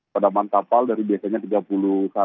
padaman kapal dari biasanya tiga puluh km